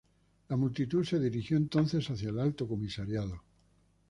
La multitud se dirigió entonces hacia el Alto Comisariado.